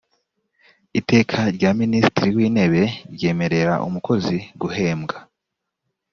iteka rya minisitiri w’ intebe ryemerera umukozi guhembwa.